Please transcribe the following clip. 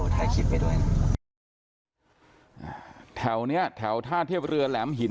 แถวเนี่ยแถวท่าเทียบเรือแหลมหิน